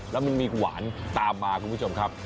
แล้วมันมีหวานตามมาคุณผู้ชมครับ